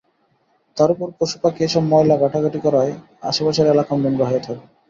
তার ওপর পশুপাখি এসব ময়লা ঘাঁটাঘাঁটি করায় আশপাশের এলাকাও নোংরা হয়ে থাকে।